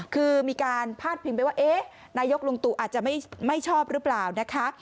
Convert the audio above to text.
คือมีการพาดพิงไปว่าเอ๊ะนายกลุงตู่อาจจะไม่ชอบหรือเปล่านะคะ